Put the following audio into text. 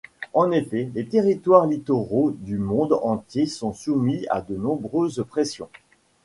En effet, les territoires littoraux du Monde entier sont soumis à de nombreuses pressions.